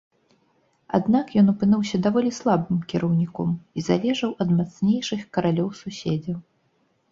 Аднак ён апынуўся даволі слабым кіраўніком і залежаў ад мацнейшых каралёў-суседзяў.